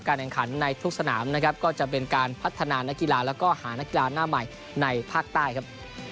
แข่งขันในทุกสนามนะครับก็จะเป็นการพัฒนานักกีฬาแล้วก็หานักกีฬาหน้าใหม่ในภาคใต้ครับ